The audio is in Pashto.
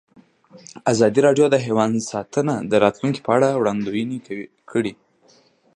ازادي راډیو د حیوان ساتنه د راتلونکې په اړه وړاندوینې کړې.